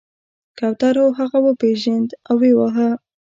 کوترو هغه وپیژند او ویې واهه.